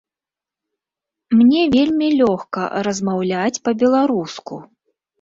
Мне вельмі лёгка размаўляць па-беларуску.